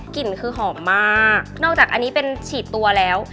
กลิ่นคือหอมมากนอกจากอันนี้เป็นฉีดตัวแล้ว